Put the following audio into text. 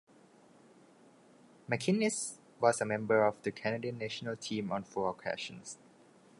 MacInnis was a member of the Canadian national team on four occasions.